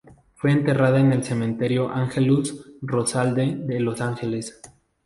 Fue enterrada en el Cementerio Angelus-Rosedale de Los Ángeles.